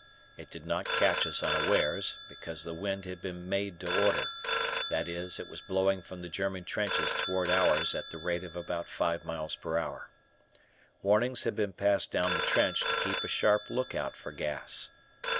It did not catch us unawares, because the wind had been made to order, that is, it was blowing from the German trenches towards ours at the rate of about five miles per hour. Warnings had been passed down the trench to keep a sharp lookout for gas.